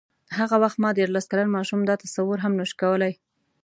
هغه وخت ما دیارلس کلن ماشوم دا تصور هم نه شو کولای.